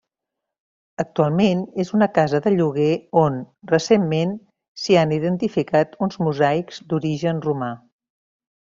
Actualment és una casa de lloguer on, recentment, s'han identificat uns mosaics d'origen romà.